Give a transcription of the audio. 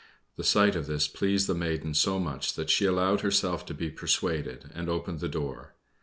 The sight of this pleased the maiden so much that she allowed herself to be persuaded, and opened the door.